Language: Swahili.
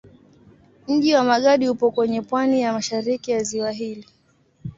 Mji wa Magadi upo kwenye pwani ya mashariki ya ziwa hili.